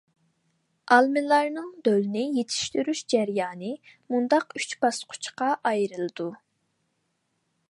ئالىملارنىڭ دولىنى يېتىشتۈرۈش جەريانى مۇنداق ئۈچ باسقۇچقا ئايرىلىدۇ.